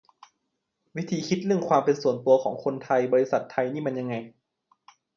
วิธีคิดเรื่องความเป็นส่วนตัวของคนไทยบริษัทไทยนี่มันยังไง